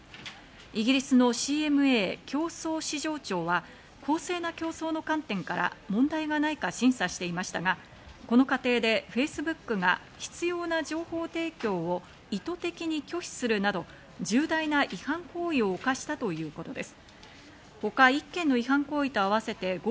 イギリスのＣＭＡ＝競争・市場庁は公正な競争の観点から問題がないか審査していましたが、この課程でＦａｃｅｂｏｏｋが必要な情報提供を意図的に拒否するなど重大な違反行為を犯したということです。